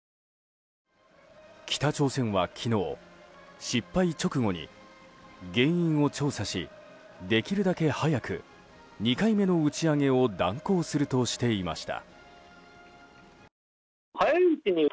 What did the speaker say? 北朝鮮は昨日、失敗直後に原因を調査し、できるだけ早く２回目の打ち上げを断行するとしていました。